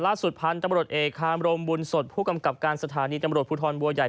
หลักสุดพันธ์จับรถเอการมบุญสดผู้กำกับการสถานีจับรถภูทรบัวใหญ่